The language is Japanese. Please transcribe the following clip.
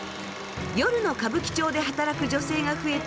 夜の歌舞伎町で働く女性が増えた